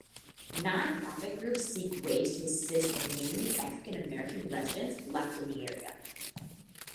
Non-profit groups seek ways to assist the mainly African-American residents left in the area.